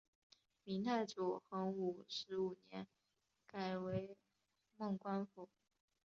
明太祖洪武十五年改为蒙光府。